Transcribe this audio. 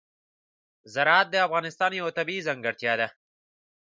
زراعت د افغانستان یوه طبیعي ځانګړتیا ده.